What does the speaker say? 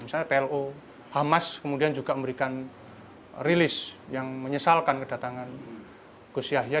misalnya plo hamas kemudian juga memberikan rilis yang menyesalkan kedatangan gus yahya